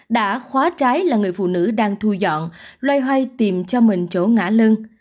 đã khóa trái là người phụ nữ đang thu dọn loay hoay tìm cho mình chỗ ngã lưng